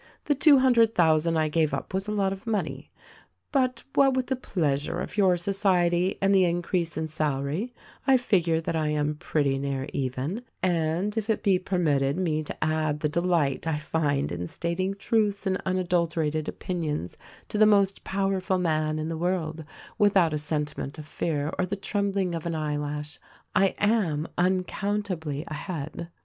The two hundred thousand I gave up was a lot of money ; but, what with the pleasure of your society and the increase in salary, I figure that I am pretty near even — and if it be per mitted me to add the delight I find in stating truths and unadulterated opinions to the most powerful man in the world without a sentiment of fear or the trembling of an eyelash, I am uncountably ahead."